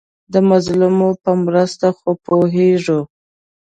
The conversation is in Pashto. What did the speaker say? د مظلوم په مرسته خو پوهېږو.